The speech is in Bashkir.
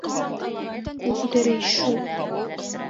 Ҡул күтәрә ишшу!